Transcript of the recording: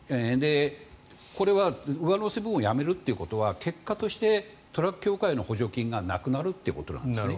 これは上乗せ分をやめるということは結果としてトラック協会の補助金がなくなるということなんですね。